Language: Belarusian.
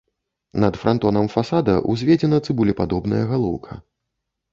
Над франтонам фасада ўзведзена цыбулепадобная галоўка.